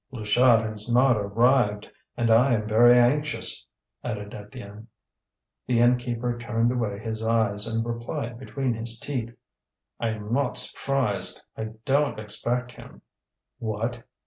"Pluchart has not arrived, and I am very anxious," added Étienne. The innkeeper turned away his eyes, and replied between his teeth: "I'm not surprised; I don't expect him." "What!"